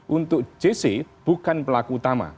untuk jc bukan pelaku utama